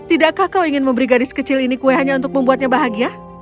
tidakkah kau ingin memberi gadis kecil ini kue hanya untuk membuatnya bahagia